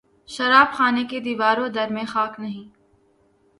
شراب خانہ کے دیوار و در میں خاک نہیں